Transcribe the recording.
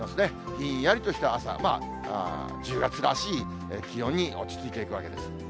ひんやりとした朝、１０月らしい気温に落ち着いていくわけです。